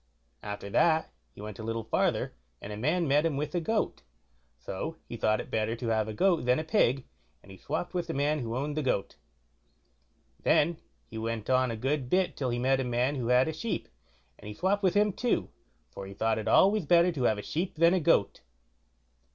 After that he went a little farther, and a man met him with a goat; so he thought it better to have a goat than a pig, and he swopped with the man that owned the goat. Then he went on a good bit till he met a man who had a sheep, and he swopped with him too, for he thought it always better to have a sheep than a goat.